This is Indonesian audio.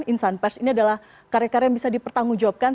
insan pers ini adalah karya karya yang bisa dipertanggungjawabkan